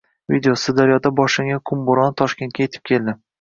Video: Sirdaryoda boshlangan qum bo‘roni Toshkentga yetib keldi